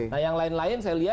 nah yang lain lain saya lihat